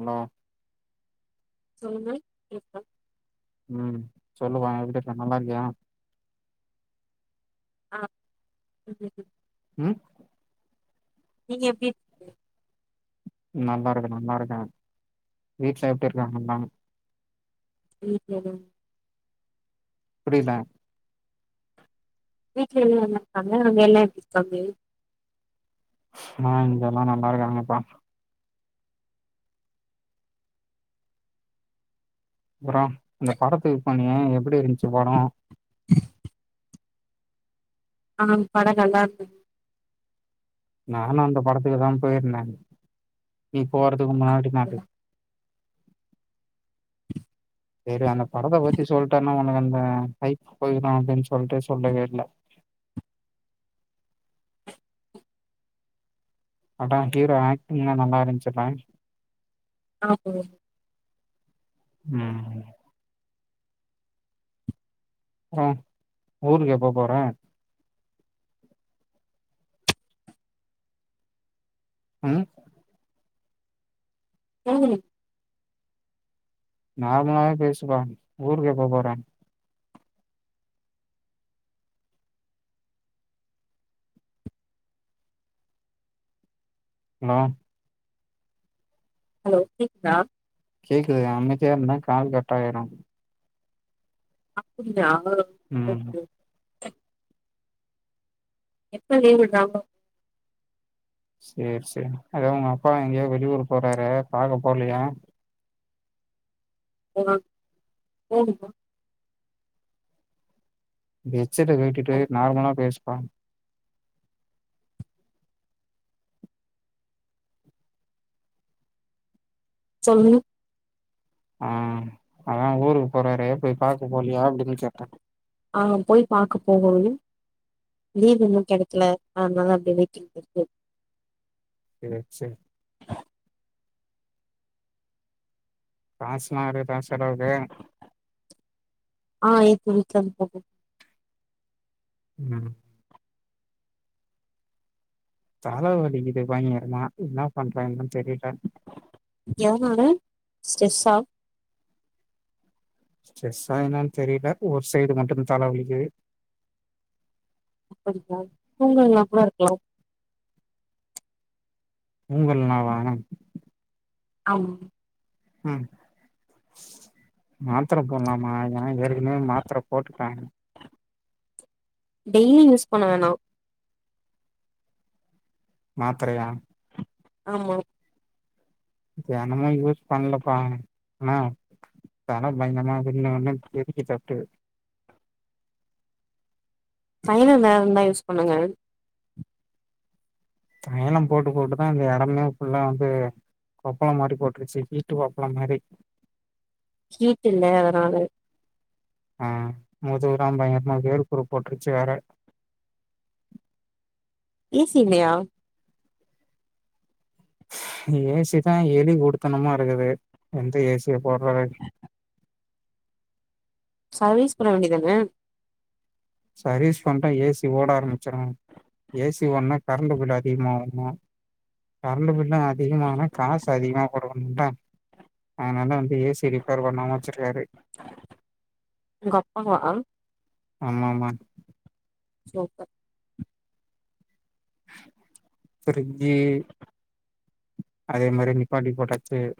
Hello சொல்லுங்க இருக்க ம் சொல்லுமா எப்டி இருக்க நல்லா இருக்கியா ஆ ம் ம் ம் ம் நீங்க எப்டி இருக் நல்லா இருக்கே நல்லா இருக்கே வீட்ல எப்டி இருக்காங்க எல்லா வீட்லதா புரியில வீட்ல எல்லா நல்லா இருக்காங்க அங்க எல்லா எப்டிர்க்காங்க ஆ இங்கெல்லா நல்லா இருக்காங்கப்பா அப்புறோ அந்த படத்துக்கு போனியே எப்டி இருந்ச்சு படொ ஆனா பட நல்லா இர்ந்துது நானு அந்த படத்துக்கு தா போயிருந்தேன் நீ போறதுக்கு முன்னாடி நாட்டு சேரி அந்த படத்த பத்தி சொல்ட்டன்னா உனக்கு அந்த ஹைக் போயிடுமே அப்டின் சொல்ட்டு சொல்லவே இல்ல படொ ஹீரோ ஆக்டிங்லா நல்லா இருஞ்சுல ஆ ப்ரோ ம் அப்றோ ஊருக்கு எப்ப போற ம் போகணும் நார்மலாவே பேசுப்பா ஊருக்கு எப்ப போற ஹலோ ஹலோ கேக்தா கேக்குதுகா அமைதியா இருந்தா கால் கட்டாயிரும் அப்புடியா ம் எப்ப லீவ் விட்றாங்கோ சேரி சேரி அதா உங்க அப்பா எங்கயோ வெளியூர் போறாரே பாக்க போலயா ஓ ஹா போகுணும் பா கெட்செட்ட கழடிட்டு டைம் நார்மலா பேசு பா சொல்லு ஆ அதா ஊருக்கு போறாரு போய் பாக்க போலையா அப்டின்னு கேட்ட ஆ போய் பாக்கப் போகோனு லீவ்வு இன்னும் கெடைக்ல அதனால அப்டியே வெய்டிங்ல இருக்கு சேர் சேர் காஸ்லா இருக்குதா செலவுக்கு ஆ இருக்கு வீட்ல குடுத்தாங்க ம் தல வலிக்குது பயங்கரமா என்ன பண்றாங்கனு தா தெரியில எதனால ஸ்ட்ரெஸ்ஸா ஸ்ட்ரேஸ்ஸா என்னான்னு தெரில ஒரு சைடு மட்டும் தல வலிக்குது அப்டியா தூங்களினாக் கூட இருக்கலாம் தூங்கலனாவ ஆமா ம் மாத்திர போடலாமா நா ஏற்கனவே மாத்தர போட்டுட்ட டெய்லி யூஸ் பண்ண வேணா மாத்தரையா ஆமா தெனமும் யூஸ் பண்லப்பா நா தல பயங்கரமா வின்னு வின்னு தெரிக்குது பயங்கரமா தைய்ல எதாவது இருந்தா யூஸ் பண்ணுங்க தைய்லோ போட்டு போட்டுதா இந்த எடமே புள்ளா வந்து கொப்பளம் மாரி போட்டுருச்சு ஹீட்டு கொப்பளம் மேரி ஹீட்டில்ல அதனால ம் முதுகு பூர பயங்கரமா வேர்குரு போட்டுருச்சு வேற ஏசி இல்லயா ஏசி தான் எலி குடுத்தனமா இருக்குது வந்து ஏசிய போட்ற வேண்டியது சர்வீஸ் பண்ண வேண்டியது தானே சர்வீஸ் பண்ணா ஏசி ஓட ஆரம்பிச்சிடும் ஏசி ஓடுனா கரண்டு பில் அதிகமாகும் கரண்டு பில்லும் அதிகமான காசு அதிகமா குடுக்கணுதா அதனால வந்து ஏசியா ரிப்பேர் பண்ணாம வச்சிருக்காரு உங்க அப்பா வா ஆமாம்மா சூப்பர் பிரிஜி அதே மாரி நிப்பாட்டி போட்டாச்சு சேர்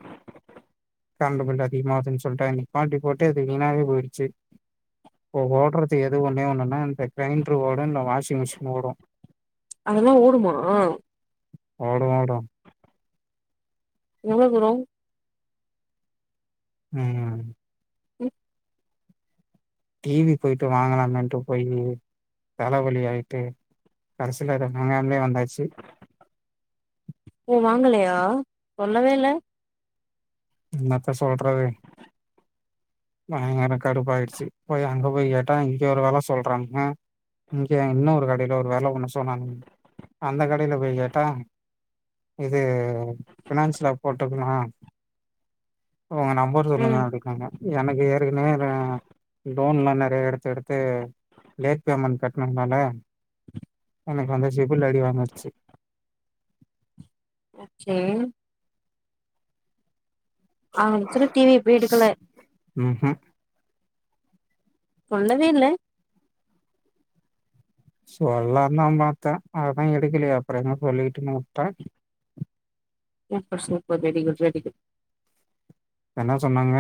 கரண்ட்டு பில் அதிகமாதுன்னு சொல்லிட்டு நிப்பாட்டி போட்டு அது வீணாவே போய்ருச்சு ஓ ஓடுறது எது ஒன்னே ஒன்னுன்னா இந்த கிரைண்டர் ஓடும் இந்த வாஷிங் மிஷின் ஓடோ அதெல்லாம் ஓடுமா ஓடு ஓடும் எவ்ளோ தூரோம் ம் இப் டிவி போய்ட்டு வாங்கலாமின்ட்டு போய் தலவலி ஆய்ட்டு கடசில உண்மையாலுமே வந்தாச்சு ஓ வாங்கலையா சொல்லவே இல்ல என்னத்த சொல்றது பயங்கர கடுப்பு ஆயிடுச்சு போய் அங்க போய் கேட்டா இங்க ஒரு வெல சொல்றாங்க இங்க இன்னொரு கடையில ஒரு வேல ஒன்னு சொன்னானுங்க அந்த கடையில போய் கேட்டா இது ஃபினான்சல போட்டோம்னா உங்க நம்பர் சொல்லுங்க ம் அப்டின்நாங்க எனக்கு ஏற்கனவே வெ லோன்லா நெறையா எடுத்து எடுத்து லேட் பேமென்ட் கட்டனதுனால எனக்கு வந்து சிபில் அடி வாங்கிடுச்சு சேரி அவனுங்க சொன்ன டிவிய போயி எடுக்கல ம் ஹிம் சொல்லவே இல்ல சொல்லாந்தா பாத்த அதா எடுக்கலையே அப்புறோ எங்க போய் சொல்லிட்டுனு உட்டன் சூப்பர் சூப்பர் வெரிகுட் வெரிகுட் என்ன சொன்னாங்க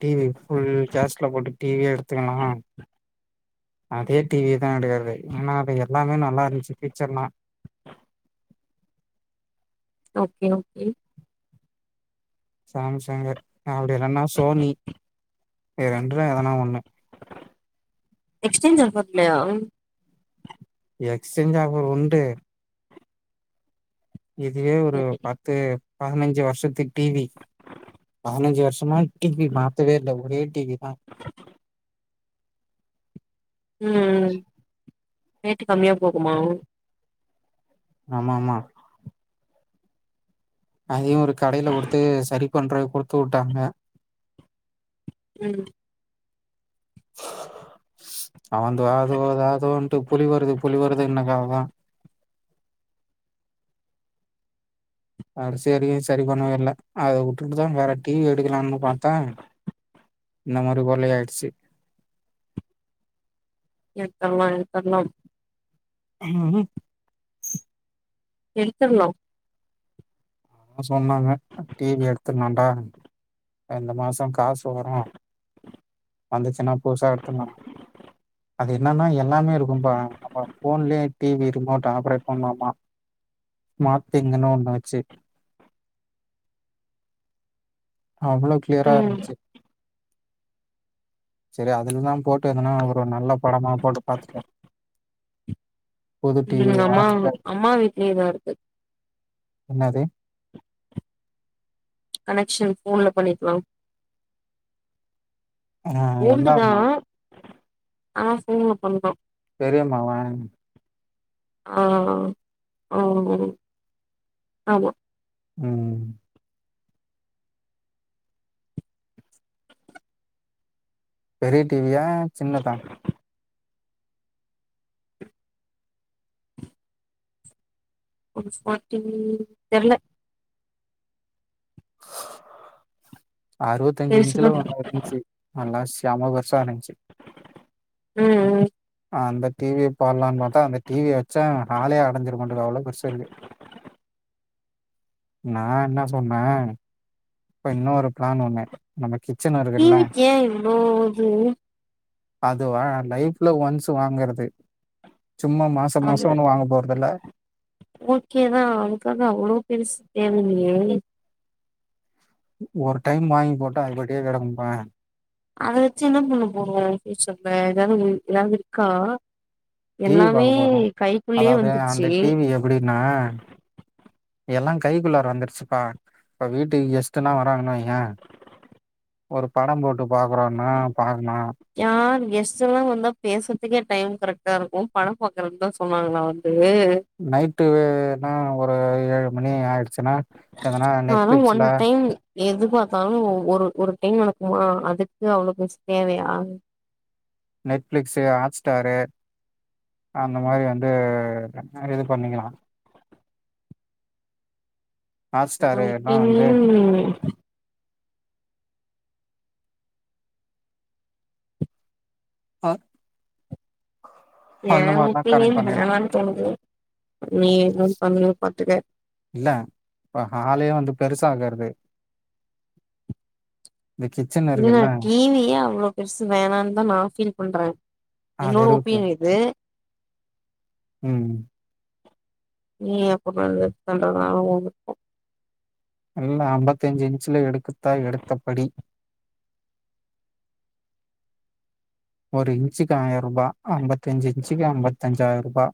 டி வி ஃபுல் கேஷ்ல போட்டு டிவியே எடுத்துக்கலாம் அதே டிவிதா எடுக்கறது ஏன்னா அது எல்லாமே நல்லாருந்துச்சு பீச்சர்லா ஓகே ஓகே சம்சங்கு அப்டி இல்லனா சோனி இந்த ரெண்டுல எதனா ஒண்ணு எக்ஸ்சேஞ்ச் ஆஃபர் இல்லையா எக்ஸ்சேஞ்ச் ஆஃபர் உண்டு இதுவே ஒரு சரி பத்து பதினஞ்சு வருஷத்து டிவி பதினஞ்சு வருஷமா டி வி மாத்தவே இல்ல ஒரே டிவி தா ம் ம் ரேட்டு கம்மியா போகுமா ஆமாமா அதையு ஒரு கடைல குடுத்து சரி பண்றதுக்கு குடுத்து உட்டாங்க ம் அவந்து அதுவ அது வன்ட்டு புலி வருது புலி வருதுன்னா க தாதன் ஆ செரியு செரி பண்ணவே இல்ல அத உட்டுட்டுதா வேற டி வி எடுக்கலான்னு பாத்தா இந்த மாரி பொறளயா ஆய்டுச்சி எடுத்தர்லா‌ம எடுத்தர்லாம் ம் எடுத்தர்லா சொன்னாங்க டிவி எடுத்துத்தலான்டா இந்த மாசோ காசு வரு வந்துச்சுன்னா புதுசா எடுத்துர்லா அது என்னன்னா எல்லாமே இருக்கும்ப்பா நம்ம போன்லேயே டி வி ரிமோட் ஆப்ரேட் பண்லாமா மாத்து எங்கனா ஒண்ண வெச்சு அவ்ளோ க்ளியரா ம் இருஞ்ச்சு செரி அதுலதா போட்டு எதனா ஒரு நல்ல படமா போட்டு பாத்துட்டு ம் அம்மா வாங்கிட்ட அம்மா வீட்லயே தா இருக்கு என்னது கனெக்ஷன் ஃபோன்ல பண்ணிக்லாம் அ ஓல்டு தா என்னாம்மா ஆ ஃபோன்ல பண்லா பெரியம்மா வா ஆ ஓ ஆமா ம் பெரிய டி வி யா சின்னதா ஒரு ஸ்மாட் டி வி தெர்ல அறுவத்தஞ்சி பெருசுதா இஞ்ச்ல ஒன்னு இருந்துச்சு நல்லா செம பெருசா இருந்துச்சு ம் அந்த டி வி ய போட்லானு பாத்தா அந்த டிவிய வெச்சா ஹாலே அடஞ்சிரு [unintelligible] அவளோ பெருசா இருக்கு நா என்ன சொன்ன இப்ப இன்னொரு ப்ளன் ஒண்ணு நம்ம கிச்சன் வர டிவி க்கு ஏ இவ்ளோ இது அதுவா லைஃப்ல ஒன்ஸ் வாங்கிறது சும்மா மாச அது மாசோ ஒன்னு வாங்க போறத இல்ல ஓகேதா அவனக்காக அவ்ளோ பெருசு தேவ இல்லயே ஒரு டைம் வாங்கி போட்டா அதுபட்டியே கெடக்குப்பா அத வச்சு என்ன பண்ண போறோ பியூட்சர்ல ஏதாவது ஏதாவது இருக்கா டிவி எல்லாமே பாக்க போறோ கைக்குள்ளயே அதாவது அந்த வந்துருச்சு டிவி எப்டின்னா எல்லா கைகுள்ளாற வந்துருச்சுப்பா இப்ப வீட்டுக்கு கெஸ்ட் எல்லா வராங்கன்னு வையே ஒரு படோ போட்டு பாக்குறோனா பாக்லா யார் கெஸ்ட் எல்லா வந்தா பேசுறதுக்கே டைம் கரெக்டா இருக்கு படோ பாக்கரத்துக்கு தா சொன்னாங்களா ஏ நைட்டு வேனா ஒரு ஏழு மணி ஆயிடுச்சுன்னா எதனா ஆனா ஒன் நெட்பிலிக்ஸ்ல டைம் எது பாத்தாலு ஒரு ஒரு டைம் நடக்குமா அதுக்கு அவ்ளோ பெருசு தேவையா நெட்பிலிக்ஸ் ஹாட்ஸ்டாரு அந்த மாரி வந்து நெறயாது பண்ணிக்கலா ஹாட்ஸ்டாரு எல்லா வந்து ம் அ அந்த ஏன் மாரிலா கனெக்ட் ஒப்பினியன் பண்ணிக்கலா வேனான்னு தோனுது நீ என்ன பண்ணுவியோ பாத்துக்க இல்ல இப்ப ஹாலே வந்து பெருசாக்கறது இந்த கிச்சன் இல்ல இருக்குல்ல டிவியே அவ்ளோ பெருசு வேணான் தா நா ஃபீல் பண்றே அது என்னோட இருக்கு ஒபீனியன் இது ம் நீ எப்போ புகழ்ந்து பண்றதுனா ஓ விருப்போ எல்லா அம்பத்தஞ்சு இன்ச்சுல எடுக்குத்தா எடுத்த படி ஒரு இன்சுக்கு ஆயர்ருபா அம்பத்தஞ்சு இன்சுக்கு அம்பத்தஞ்சாயருபா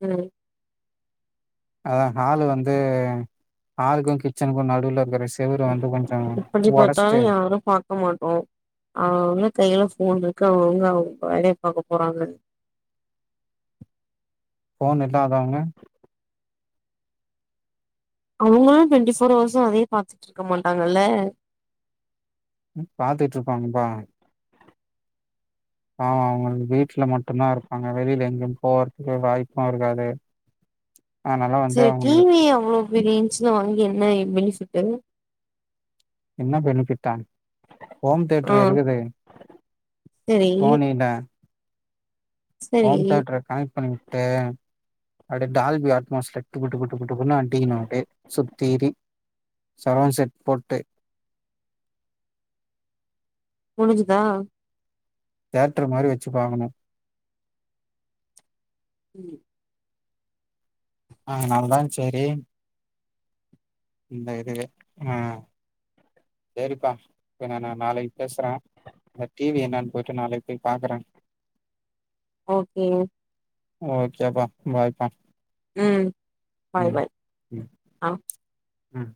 ம் அதா ஹாலு வந்து ஹாலுக்கு கிச்சனுக்கு நடுல இருக்கஸ் செவுர வந்து கொஞ்சோ ஒடஸ்ட்டு பக்க மாட்டோ அவங்கவங்க கையில ஃபோன்ருக்கு அவங்கவுங்க அவங்க வேலைய பாக்க போறாங்க ஃபோன் இல்லாதவங்க அவங்களு டொண்ட்டிஃபோர் ஹவர்ஸும் அதேயே பாத்துட்ருக்க மாட்டாங்கல்ல பாத்துட்ருப்பாங்கப்பா ஆமா அவங்க வீட்ல மட்டுதா இருப்பாங்க வெளில எங்கயு போவறதுக்கே வாய்ப்புருக்காது செரி டீவி அவ்ளோ பெரிய இஞ்ச்சுல வாங்கி என்ன பெனிஃபிட்டு என்ன பெனிஃபிட்டா ஹோம் ஆ தேட்டர்ரு இருக்குது சரி சோனில சரி ஹோம் தேட்ர கனெக்ட் பண்ணிவுட்டு அப்டியே டால்பி அட்மோஸ்ல டுபு டுபு டுபு டுபுன்னு அடிக்கனு ஓகே சுத்தி சவன்ட் செட் போட்டு முடிஞ்சுதா தேட்டர் மாரி வச்சு பாங்கணு [unintelligible] அதனால தா சேரி இந்த இதுவே அ சேரிப்பா இப்ப நா நாளைக்கு பேசுறே இந்த டி வி என்னான்னு போயிட்டு நாளைக்கு போய் பாக்குறே ஓகே ஓகேப்பா பாய்பா ம் பாய் பாய் ம் ஆ. ம்